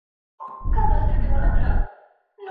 ژوند به تل په تاسو باندې ډول ډول کثافات غورځوي.